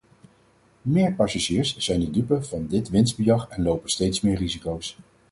Maar passagiers zijn de dupe van dit winstbejag en lopen steeds meer risico’s.